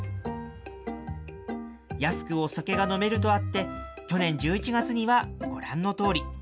安くお酒が飲めるとあって、去年１１月にはご覧のとおり。